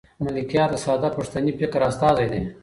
ملکیار د ساده پښتني فکر استازی دی.